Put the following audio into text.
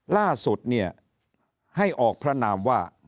ล่าสุดเนี่ยให้ออกพระนามว่า